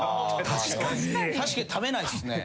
確かに食べないっすね。